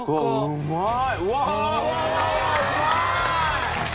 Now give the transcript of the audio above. うまい！